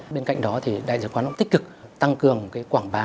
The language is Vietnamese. bên cạnh đó thì đại sứ quán cũng tích cực tăng cường quảng bá